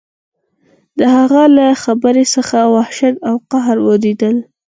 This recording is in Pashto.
د هغه له څېرې څخه وحشت او قهر ورېده.